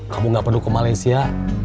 kamu gak perlu ke malaysia